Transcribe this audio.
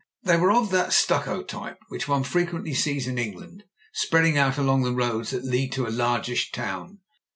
They were of that stucco type which one frequently sees in England spreading out along the roads that lead to a largish town.